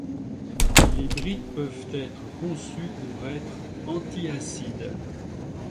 Les briques peuvent être conçues pour être anti-acide.